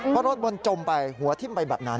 เพราะรถบนจมไปหัวทิ้มไปแบบนั้น